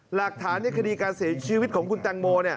หลักฐานในคดีการเสียชีวิตของคุณแตงโม